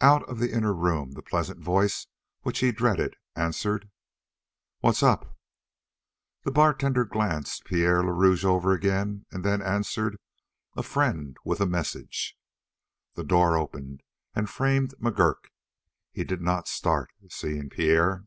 Out of the inner room the pleasant voice which he dreaded answered: "What's up?" The barkeeper glanced Pierre le Rouge over again and then answered: "A friend with a message." The door opened and framed McGurk. He did not start, seeing Pierre.